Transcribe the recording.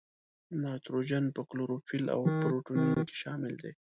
نایتروجن په کلوروفیل او پروټینونو کې شامل دی.